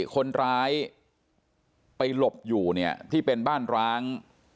คนร้ายไปหลบอยู่เนี่ยที่เป็นบ้านร้าง